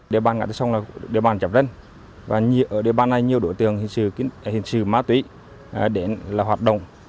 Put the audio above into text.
địa bàn ngã tư sông là địa bàn chập rân và ở địa bàn này nhiều đối tượng hình sự má tùy để hoạt động